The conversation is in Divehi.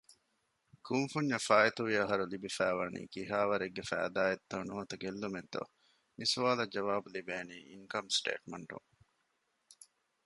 ކުންފުންޏަށް ފާއިތުވި އަހަރު ލިބިފައިވަނީ ކިހާވަރެއްގެ ފައިދާ އެއްތޯ ނުވަތަ ގެއްލުމެއްތޯ؟ މިސުވާލަށް ޖަވާބު ލިބެނީ އިންކަމް ސޓޭޓްމަންޓުން